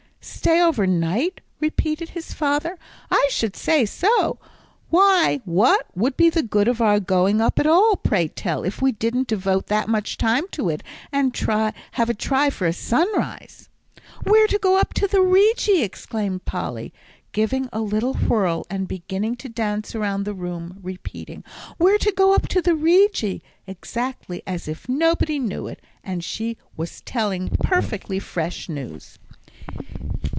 "Stay over night?" repeated his father, "I should say so. Why, what would be the good of our going up at all, pray tell, if we didn't devote that much time to it and have a try for a sunrise?" "We're to go up the Rigi!" exclaimed Polly, giving a little whirl, and beginning to dance around the room, repeating, "We're to go up the Rigi," exactly as if nobody knew it, and she was telling perfectly fresh news.